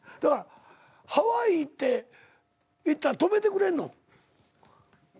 ハワイ行ったら泊めてくれんの？